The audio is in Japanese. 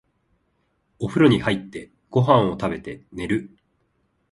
お風呂に入って、ご飯を食べて、寝る。